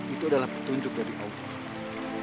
itu adalah petunjuk dari allah